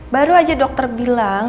baru aja dokter bilang